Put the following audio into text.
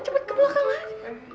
cepet ke belakang mbah